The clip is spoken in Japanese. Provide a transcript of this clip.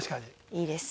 いいです。